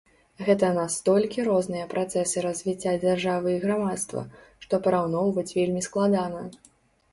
Гэта настолькі розныя працэсы развіцця дзяржавы і грамадства, што параўноўваць вельмі складана.